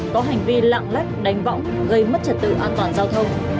có hành vi lạng lách đánh võng gây mất trật tự an toàn giao thông